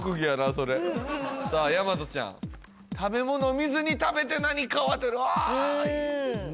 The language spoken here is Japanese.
それさあ大和ちゃん食べ物見ずに食べて何かを当てるああーいいですね